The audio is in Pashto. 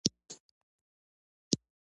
نوې نړۍ کشف ته اړتیا لري